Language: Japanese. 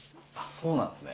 そうなんですね。